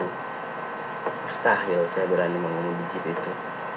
ustaz ya usah berani mengumumkan itu